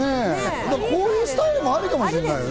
こういうスタイルもアリかもしれないね。